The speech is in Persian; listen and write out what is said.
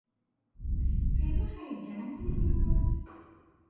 فیلم خیلی گندی بود.